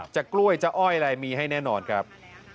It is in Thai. กล้วยจะอ้อยอะไรมีให้แน่นอนครับ